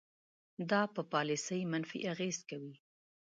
دا په پالیسۍ منفي اغیز کوي.